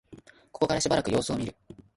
ここからしばらく様子を見る